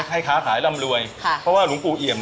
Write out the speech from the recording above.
ค้าขายร่ำรวยค่ะเพราะว่าหลวงปู่เอี่ยม